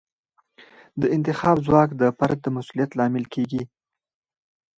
د انتخاب ځواک د فرد د مسوولیت لامل کیږي.